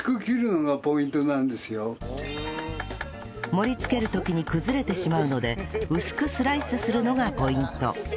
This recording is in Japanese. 盛りつける時に崩れてしまうので薄くスライスするのがポイント